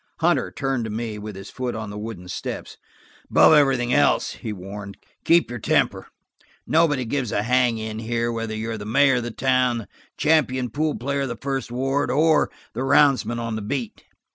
Hunter turned to me, with his foot on the wooden steps. "Above everything else," he warned, "keep your temper. Nobody gives a hang in here whether you're the mayor of the town, the champion pool player of the first ward, or the roundsman on the beat."